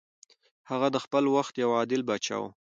هغه د خپل وخت یو عادل پاچا و.